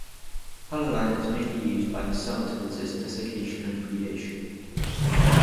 Pullulan is mainly used by the cell to resist desiccation and predation.